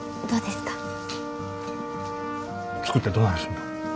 作ってどないすんねん。